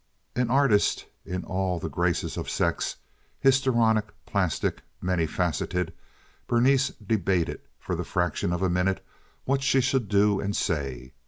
An artist in all the graces of sex—histrionic, plastic, many faceted—Berenice debated for the fraction of a minute what she should do and say.